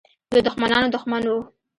د دښمنانو دښمن وو.